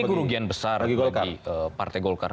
itu kerugian besar bagi partai golkar